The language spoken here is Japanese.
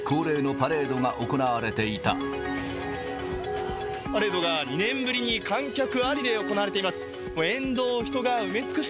パレードが２年ぶりに観客ありで行われています。